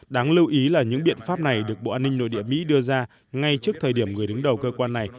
đáng lưu ý là những biện pháp này được bộ an ninh nội địa mỹ đưa ra ngay trước thời điểm người đứng đầu cơ quan này